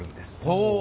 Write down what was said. ほう！